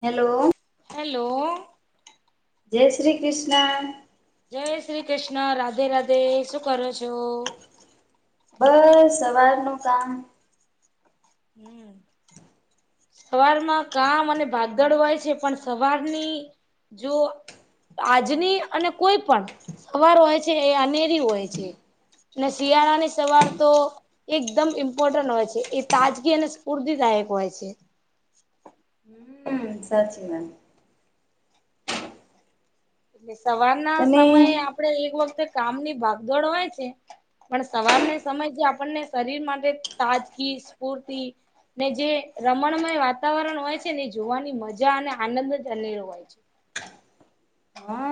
Hello. Hello. જય શ્રી કૃષ્ણ. જય શ્રી કૃષ્ણ રાધે રાધે શું કરો છો. બસ સવારનું કામ. હમ સવારમાં કામ અને ભાગદડ હોય છે પણ. સવારની જો. આજની અને કોઈ પણ સવાર હોય છે, એ અનેરી હોય છે. ને શિયાળાની સવાર તો એકદમ ઇમ્પોર્ટન્ટ હોય છે. તાજગી અને સ્ફૂર્તિદાયક હોય છે. હમ સાચી વાત. એટલે સવાર ના અને સમયે આપડે એક વખતે કામની ભાગ દોડવાય છે. પણ સવારને સમય જે આપણને શરીર માટે તાજગી સ્ફૂર્તિ. ને જે રમણમય વાતાવરણ હોય છે, ને એ જોવાની મજા અને આનંદ અનેરો હોય છે.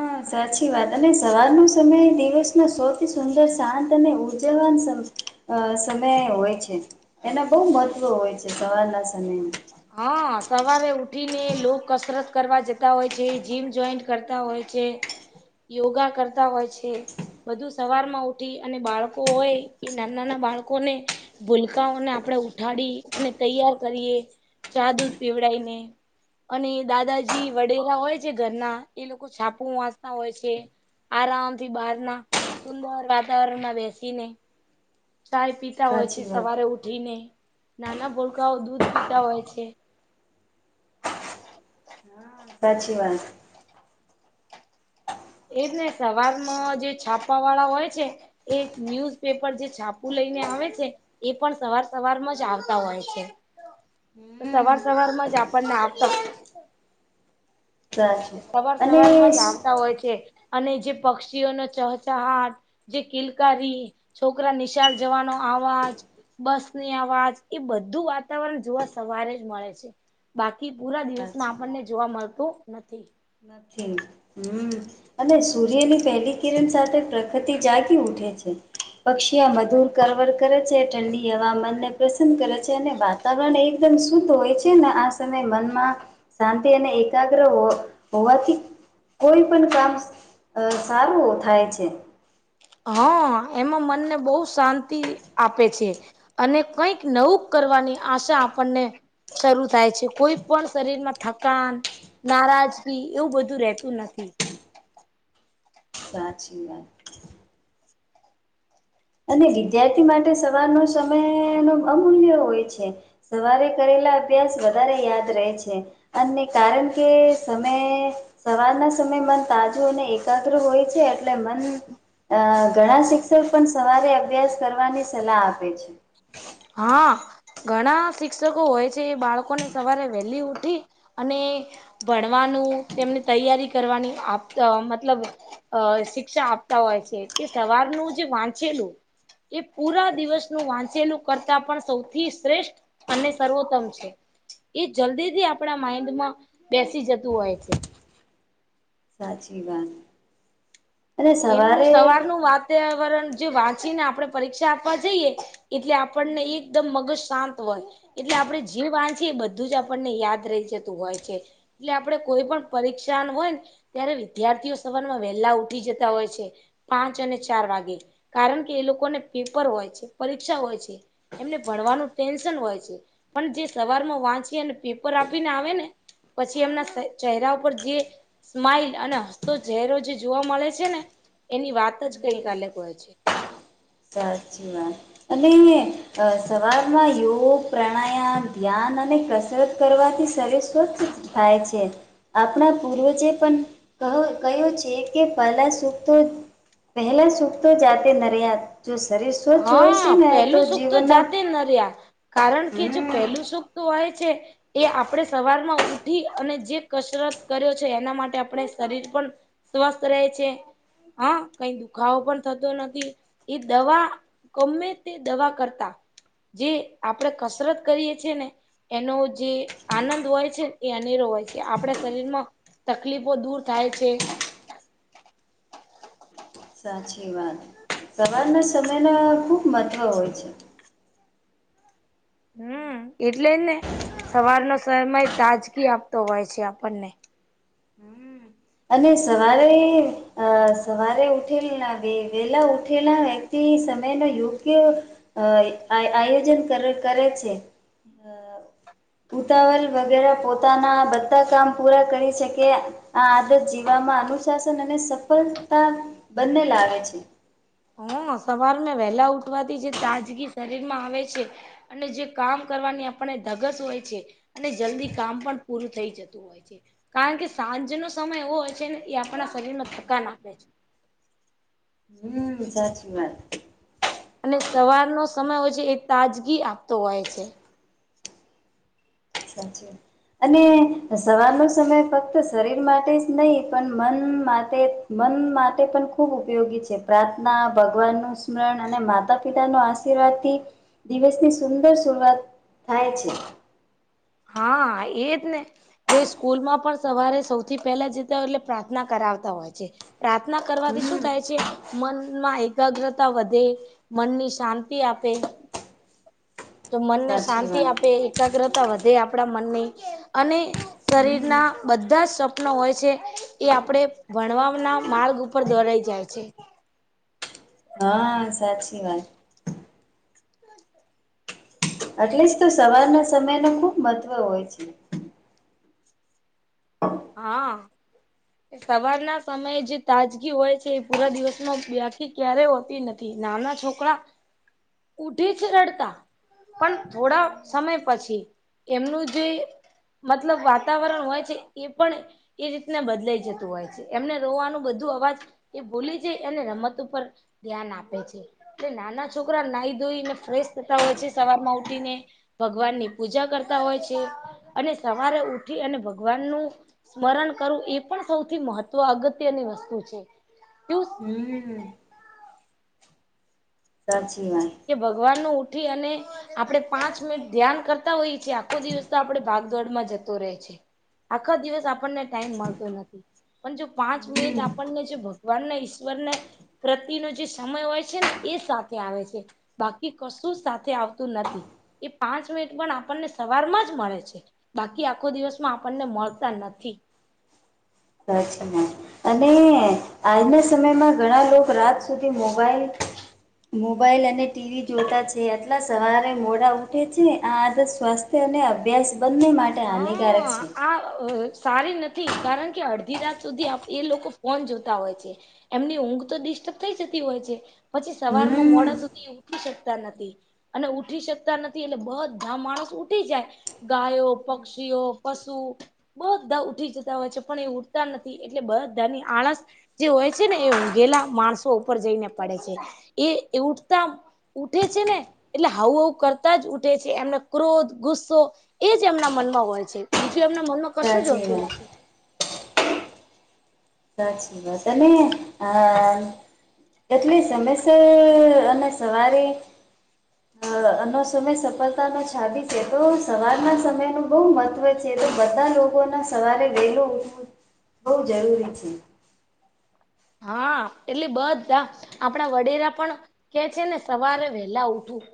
હા, સાચી વાત અને સવાર નો સમય દિવસ ના સૌથી સુંદર શાંત અને ઉજવવાન સમય. અ સમય હોય છે, એના બહુ મહત્વ હોય છે સવારના સમય. હા, સવારે લોકો કસરત કરવા જતા હોય છે. જીમ જોઈન કરતા હોય. જે યોગા કરતા હોય છે. બધું સવાર માં ઉઠી અને બાળકો હોય એ નાના નાના બાળકોને. ભૂલકાઓને આપણેે ઉઠાડી અને તૈયાર કરીએ ચા દૂધ પીવડી ને. અને દાદાજી વડેલા હોય છે ઘરના એ લોકો છાપુ વાચતા હોય છે. આરામથી બહારના સુંદર વાતાવરણમાં બેસીને ચાય પીતા હોય છે સાચી વાત સવારે ઉઠીને નાના ભોલકાઓ દૂધ પીતા હોય છે. હા સાચી વાત એજ ને સવારમાં જે છાપા વાળા હોય છે. એ ન્યૂઝ પેપર જે છાપુું લઈને આવે છે. એ પણ સવાર સવારમાં જ આવતા હોય છે. હમ સવાર સવારમં જ આપણને આવતા સાચું સવાર અને સવારમાં જ આવતા હોય છે અને જે પક્ષીઓનો ચહચહાટ જે કિલકારી છોકરા નિશાળ જવાનો આવાજ બસની અવાજ એ બધું વાતાવરણ જોવા સવારે જ મળે છે. બાકી પૂરા દિવસમાં સાચી વાત આપણને જોવા મળતું નથી. નથી. હમ્મ અને સૂર્યની પહેલી કિરણ સાથે પ્રકૃતિ જાગી ઉઠે છે. પક્ષીઓ મધુર કરવર કરે છે ઠંડી હવા મનને પ્રસંદ કરે છે અને વાતાવરણ એકદમ શુદ્ધ હોય છે ને આ સમય મનમાં શાંતિ અને એકાગ્ર હો હોવાથી કોઈ પણ કામ સારું થાય છે. હા એમાં મનને બહુ શાંતિ આપે છે. અને કંઈક નવુંક કરવાની આશા આપણને શરૂ થાય છે કોઈ પણ શરીરમાં થકાન નારાજગી એવું બધું રહેતું નથી. સાચી વાત અને વિદ્યાર્થી માટે સવારનો સમય નો અમૂલ્ય હોય છે. સવારે કરેલા અભ્યાસ વધારે યાદ રહે છે. અને કારણ કે સમય સવારના સમય મન તાજું અને એકાગ્ર હોય છે એટલે મન અ ઘણા શિક્ષક પણ સવારે અભ્યાસ કરવાની સલાહ આપે છે. હા. ઘણા શિક્ષકો હોય છે બાળકોને સવારે વહેલી ઉઠી અને ભણવાનું તેમની તૈયારી કરવાની મતલબ અ શિક્ષા આપતા હોય છે એ સવારનું જે વાંચેલું. એ પુરા દિવસનું વાંચલું. કરતા પણ સૌથી શ્રેષ્ઠ અને સર્વોત્તમ છે. એ જલ્દીથી આપણા માઈન્ડમાં બેસી જતું હોય છે. સાચી વાત અને સવારે પર્યાવરણ જે વાંચીને આપણે પરીક્ષા આપવા જઈએ. એટલે આપણને એકદમ મગજ શાંત હોય. એટલે આપણે જે વાચએ બધું આપણને યાદ રહી જતું હોય છે. એટલે આપડે કોઈ પણ પરીક્ષા હોયને ત્યારે વિદ્યાર્થીઓ સવાર માં વેહેલા ઉઠી જતા ઉઠતા હોય છે. પાંચ અને ચાર વાગે કારણ કે એ લોકોને પેપર હોય છે પરીક્ષા હોય છે. એમને ભણવાનું ટેન્શન હોય છે. જે સવારમાં વાંચીને પેપર આપીને આવે ને પછી એમના ચહેરા પર જે સ્માઈલ અને હસતો ચહેરો જે જોવા મળે છે. છે ને એની વાત જ કોઈ અલગ હોય છે. સાચી વાત અને અ સવારમાં યોગ પ્રાણાયામ ધ્યાન અને કસરત કરવાથી શરીર સ્વસ્થ થાય છે. આપણા પૂર્વજે પણ કહ્યું છે કે પહેલા સુખ તો પહેલા સુખ તો જાતે નરિયા જો શરીર સ્વચ્છ હોય છે હા ને તો પહેલું સુખ જીવનના જાતે ન રહ્યા. કારણ કે જે પહેલું સુખ તો હોય છે. એ આપણે સવારમાં ઉઠી અને જે કસરત કર્યો છે એના માટે આપણે શરીર પણ સ્વસ્થ રહે છે હ કઈ દુખાવો પણ થતો નથી એ દવા ગમે તે દવા કરતા જે આપણેે કસરત કરીએ છીએ ને એનો જે આનંદ હોય છેને એ અનેરો હોય છે આપણા શરીરમાં તકલીફો દૂર થાય છે. સાચી વાત સવારના સમયના ખૂબ મહત્ત્વ હોય છે. હમ એટલે જ ને સવારનો સમય તાજગી આપતો હોય છે આપણને. અને સવારે અ સવારે ઉઠેલા વેલા ઉઠેલા વ્યક્તિ સમય ન યોગ્ય અ આ આયોજન કર કરે છે. ઉતાવલ વગર આ પોતાના બધા કામ પૂરા કરી શકેએ આ જીવવામાં અનુશાસન અને સફળતા બંને લાવે છે. હ સવાર મા વહેલા ઉઠવાથી જે તાજગી શરીર માં આવે છે અને જે કામ કરવાની આપને ધગસ હોય છે અને જલ્દી કામ પણ પૂરું થઈ જતું હોય છે. કારણ કે સાંજ ન સમય એવો હોય છે ને એ આપણા શરીર માં થકાન આપે છે. હુ સાચી વાત. અને સવારનો સમય હોય છે એ તાજગી આપતો હોય છે. સાંજે અને સવારનો સમય ફક્ત શરીર માટે જ નહી પણ મન માટે મન માટે પણ ખૂબ ઉપયોગી છે પ્રાર્થના ભગવાનનું સ્મરણ અને માતા પિતાના આસ્થા. એનાથી દિવસની સુંદર શરૂઆત થાય છે. હા એજ ને. જે સ્કૂલમાં પણ સવારે સૌથી પહેલા જતા હોય એટલે પ્રાર્થના કરાવતા હોય છે. પ્રાર્થના કરવાથી હમ શું થાય છે? મનમાં એકાગ્રતા વધે મનની શાંતિ આપે તો મનને સાચી શાંતિ વાત આપે એકાગ્રતા વધે આપણા મનની અને શરીરના બધા જ સ્વપ્નો હોય છે એ આપડે ભણવાના માર્ગ ઉપર દોરાઈ જાય છે. હ ન સાચી વાત. એટલે જ તો સવારના સમય નું ખુબ મહત્વ હોય છે. હા. સવારના સમયે જે તાજગી હોય છે એ પૂરા દિવસમાં બાકી ક્યારેય હોતી નથી. નાના છોકરા હ [unintelligible] ઉઠી જ રડતા. પણ થોડા સમય પછી એમનું જે મતલબ વાતાવરણ હોય છે એ પણ એ રીતને બદલાઈ. જતું હોય છે એમને રોવાનું બધું અવાજ એ ભૂલી જાય અને રમત ઉપર ધ્યાન આપે છે એટલે નાના છોકરા નાહી ધોઈ ને ફ્રેશ થતા હોય છે સવાર માં ઉઠીને. ભગવાન ની પૂજા કરતા હોય છે અને સવારે ઉઠી અને ભગવાનનું. સ્મરણ કરવું એ પણ સૌથી મહત્વ અગત્યની વસ્તુ છે અહ. હમ સાચી વાણી કે ભગવાન નું ઉઠી અને. આપડણે પાંચ મિનિટ ધ્યાન કરતા હોઈએ છીએ આખો દિવસ તો આપણેે ભાગદોડમાં જતો રહે છે. આખા દિવસ આપણને ટાઈમ મળતો નથી. પણ જો પાંચ મિનિટ હમ આપણને જો ભગવાનને ઈશ્વર ને પ્રતિનો જે સમય હોય છે ને એ સાથે આવે છે. બાકી કશું સાથે આવતું નથી. એ પાંચ મિનિટ પણ આપણને સવારમાં જ મળે છે. બાકી આખો દિવસમાં આપણને મળતા નથી. સાચી વાત છે અને આજના સમયમાં ઘણા લોકો રાત સુધી મોબાઈલ મોબાઈલ અને ટી વી જોતા છે આટલા સવારે મોડા ઊઠે છે આ આદત સ્વાસ્થ્ય અને અભ્યાસ બંને માટે હાનિકારક છે. અ સારી નથી કારણ કે અડધી રાત સુધી આપ એ લોકો ફોન જોતા હોય છે. એમની ઊંઘ તો ડિસ્ટર્બ થઈ જતી હોય છે, પછી સવાર માં હમ મોડા સુધી ઉઠી શકતા નથી અને ઉઠી શકતા નથી એટલે બધા માણસ ઉઠી જાય. ગાયો પક્ષીઓ, પશુ બધા ઉઠી જતા હોય છે પણ એ ઉઠતા નથી એટલે બધાની આળસ જે હોય છે ને એ ઊંઘેલા માણસો ઉપર જઈને પડે છે. એ એ ઉઠતા ઉઠે છે ને એટલે હાઉ હાઉ કરતા જ ઉઠે છે. એમને ક્રોધ ગુસ્સો એજ એજ એમના મનમાં હોય છે. બીજું એમના મનમાં કશું જ સાચી હોતું વાત નથી. સાચી વાત તને આ એટલી સમયસર અને સવારે નો સમય સફળતા નો છાબી છે તો સવારના સમય નો બઉ મહત્વ છે. તો બધા લોકો ના સવારે વેલુ ઉઠવું બઉ જરૂરી છે. [inaudible] હા એટલે બધા આપડા વડિલે પણ કે છે ને સવારે વેલા ઉઠવું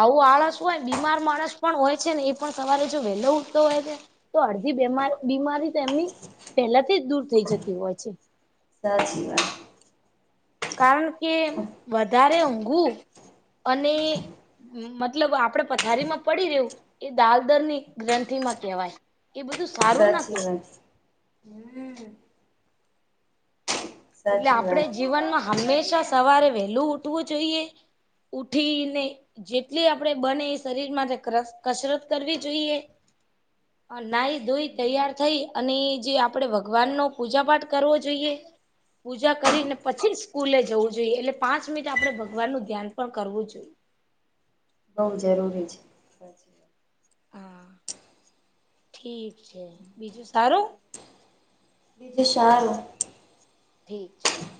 આવું આળસ હોય બીમાર માણસ પણ હોય છે ને એ પણ સવારે જો વેહેલો ઉઠતો હોય તો તો અડધી બેમા બીમારી તો એમની પહેલાથી જ દૂર થઈ જતી હોય છે. સાચી વાત કારણ કે વધારે ઊંઘવુ અને મતલબ આપડે પથારી માં પડી રહ્યું એ દાલદર ની ગ્રંથિ માં કેહેવાય એ બધું સારું ના કેવા હમ એટલે સાચી આપડે વાત જીવનમાં હંમેશા સવારે વહેલું ઉઠવું જોઈએ. ઉઠીને જેટલી આપડે બને એ શરીર માં કસરત કરવી જોઈએ. [inaudible] અન નાહી ધોઈ તૈયાર થઈ અને જે આપડે ભગવાન નો પૂજા પાઠ કરવો જોઈએ. પૂજા કરીને પછી સ્કૂલે જવું જોઈએ એટલે પાંચ મિનિટ આપણે ભગવાનનુ ધ્યાન પણ કરવું જોઈએ. બોવ જરૂરી છે. [inaudible] હા ઠીક છે બીજું સારું? બીજુ સારુ. ઠીક છે ઠીક.